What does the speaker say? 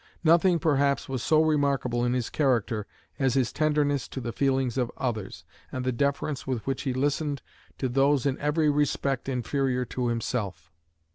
Nothing, perhaps, was so remarkable in his character as his tenderness to the feelings of others, and the deference with which he listened to those in every respect inferior to himself.